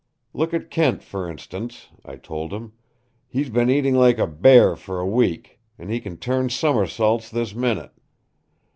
'Look at Kent, for instance,' I told him. 'He's been eating like a bear for a week, and he can turn somersaults this minute!'